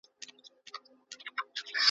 د موازنې کار باید په دقیقو ماشینونو ترسره سی.